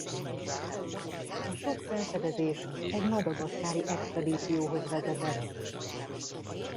A sok felfedezés egy madagaszkári expedícióhoz vezetett.